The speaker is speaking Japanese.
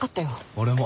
俺も。